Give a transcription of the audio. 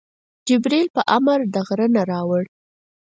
جبریل په امر د غره نه راوړ.